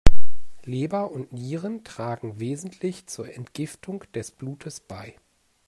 Leber und Nieren tragen wesentlich zur Entgiftung des Blutes bei.